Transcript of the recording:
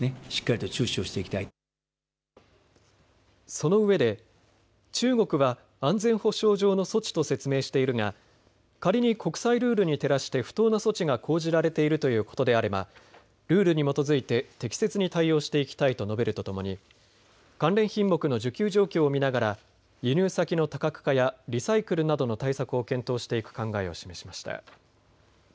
そのうえで中国は安全保障上の措置と説明しているが仮に国際ルールに照らして不当な措置が講じられているということであればルールに基づいて適切に対応していきたいと述べるとともに関連品目の需給状況を見ながら輸入先の多角化やリサイクルなどの対策を検討していく考えを示しました。